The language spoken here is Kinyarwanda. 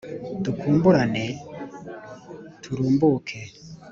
dukumburane turumbuke